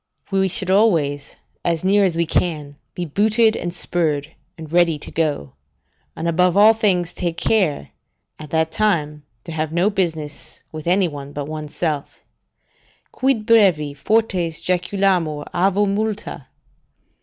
We should always, as near as we can, be booted and spurred, and ready to go, and, above all things, take care, at that time, to have no business with any one but one's self: "Quid brevi fortes jaculamur avo Multa?"